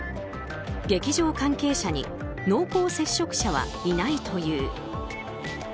劇場関係者に濃厚接触者はいないという。